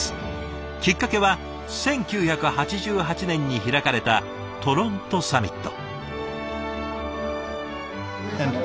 きっかけは１９８８年に開かれたトロントサミット。